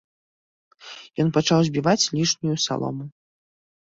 Ён пачаў збіваць лішнюю салому.